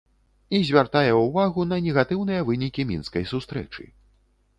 І звяртае ўвагу на негатыўныя вынікі мінскай сустрэчы.